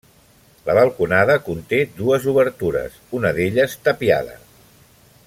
La balconada conté dues obertures, una d'elles tapiada.